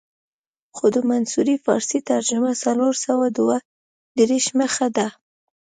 خو د منصوري فارسي ترجمه څلور سوه دوه دېرش مخه ده.